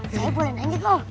saya boleh nangkep om